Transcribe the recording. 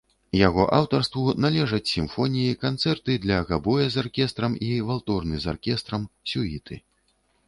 Яго аўтарству належаць сімфоніі, канцэрты для габоя з аркестрам і валторны з аркестрам, сюіты.